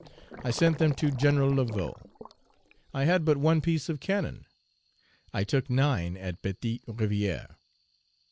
I sent them to Gen. Laveaux. I had but one piece of cannon; I took nine at Petite Rivière.